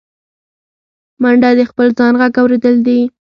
منډه د خپل ځان غږ اورېدل دي